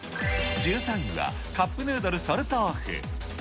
１３位は、カップヌードルソルトオフ。